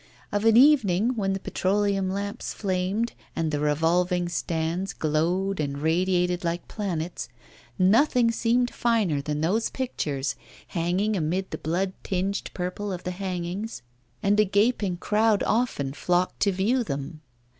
Of an evening, when the petroleum lamps flamed and the revolving stands glowed and radiated like planets, nothing seemed finer than those pictures hanging amid the blood tinged purple of the hangings, and a gaping crowd often flocked to view them.